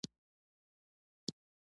کروندګر د اوبو د مصرف ښه کولو لپاره کوښښ کوي